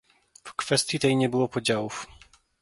W tej kwestii nie było podziałów